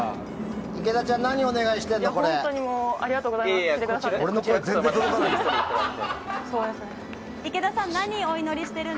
池田ちゃんこれは何をお願いしてるの？